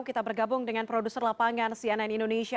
kita bergabung dengan produser lapangan cnn indonesia